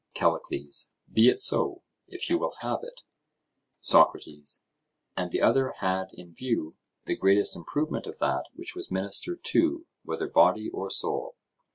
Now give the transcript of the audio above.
CALLICLES: Be it so, if you will have it. SOCRATES: And the other had in view the greatest improvement of that which was ministered to, whether body or soul?